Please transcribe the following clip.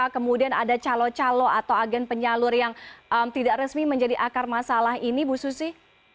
kemudian ada calo calo atau agen penyalur yang tidak resmi menjadi akar masalah ini bu susi